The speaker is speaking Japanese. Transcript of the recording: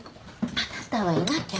あなたはいなきゃ。